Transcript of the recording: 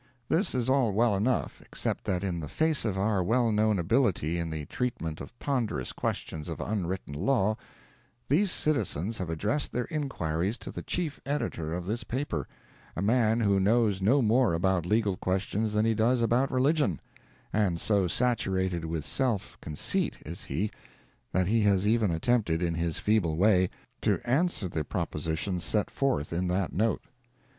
This is all well enough, except that in the face of our well known ability in the treatment of ponderous questions of unwritten law, these citizens have addressed their inquiries to the chief editor of this paper—a man who knows no more about legal questions than he does about religion—and so saturated with self conceit is he, that he has even attempted, in his feeble way, to answer the propositions set forth in that note.